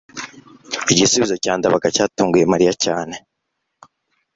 igisubizo cya ndabaga cyatunguye mariya cyane